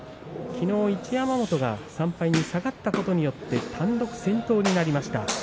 きのう一山本は３敗に下がったことによって単独先頭になりました。